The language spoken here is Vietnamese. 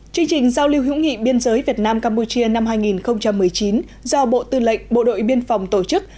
chương trình giao lưu hữu nghị biên giới việt nam campuchia năm hai nghìn một mươi chín do bộ tư lệnh bộ đội biên phòng tổ chức